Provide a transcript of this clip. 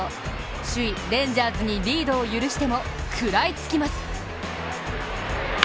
首位レンジャーズにリードを許しても食らいつきます。